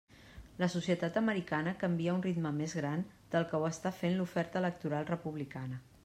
La societat americana canvia a un ritme més gran del que ho està fent l'oferta electoral republicana.